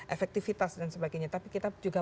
efektivitas dan sebagainya tapi kita juga